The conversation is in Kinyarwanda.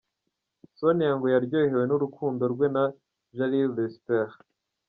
Sonia ngo yaryohewe n’urukundo rwe na Jalil Lespert.